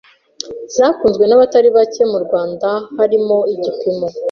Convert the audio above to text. zakunzwe nabatari bacye mu Rwanda harimo “Igipimo”